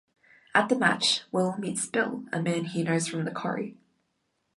At the match, Will meets Bill: a man he knows from the Corry.